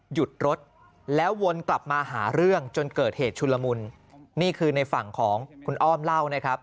หยุดรถแล้ววนกลับมาหาเรื่องจนเกิดเหตุชุลมุนนี่คือในฝั่งของคุณอ้อมเล่านะครับ